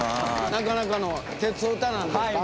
なかなかの鉄オタなんですか？